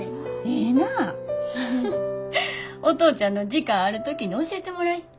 お父ちゃんの時間ある時に教えてもらい。